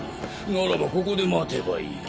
ならばここで待てばいい。